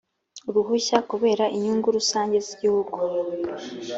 uruhushya kubera inyungu rusange z igihugu